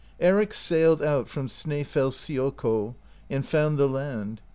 Eric sailed out from Snaefellsiokul, and found the land.